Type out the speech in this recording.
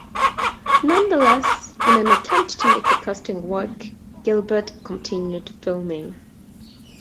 Nonetheless, in an attempt to make the casting work, Gilbert continued filming.